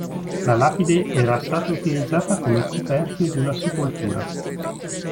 La lapide era stata utilizzata come coperchio di una sepoltura.